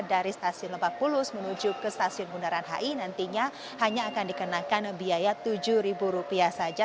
dari stasiun lebak bulus menuju ke stasiun bundaran hi nantinya hanya akan dikenakan biaya rp tujuh saja